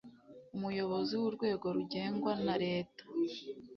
umuyobozi w urwego rugengwa na leta